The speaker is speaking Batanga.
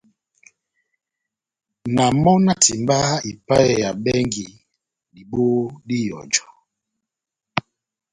Na mɔ na timbaha ipaheya bɛngi dibohó dá ihɔjɔ.